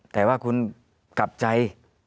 แต่ว่าคุณกลับใจ